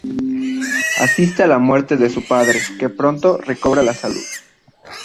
Asiste a la muerte de su padre que pronto recobra la salud.